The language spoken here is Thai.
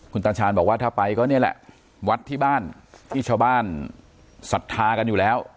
คุณตาชาญบอกว่าถ้าไปก็นี่แหละวัดที่บ้านที่ชาวบ้านศรัทธากันอยู่แล้ว